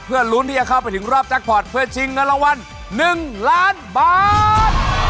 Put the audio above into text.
เพื่อลุ้นที่จะเข้าไปถึงรอบแจ็คพอร์ตเพื่อชิงเงินรางวัล๑ล้านบาท